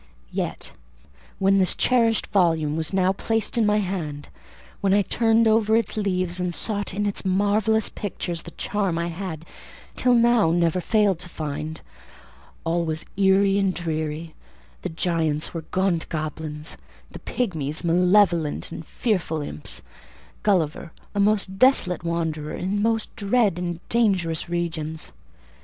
Yet, when this cherished volume was now placed in my hand—when I turned over its leaves, and sought in its marvellous pictures the charm I had, till now, never failed to find—all was eerie and dreary; the giants were gaunt goblins, the pigmies malevolent and fearful imps, Gulliver a most desolate wanderer in most dread and dangerous regions.